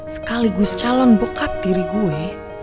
sekaligus calon bokap diri gue